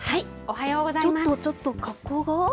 ちょっとちょっと格好が？